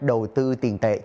đầu tư tiền tài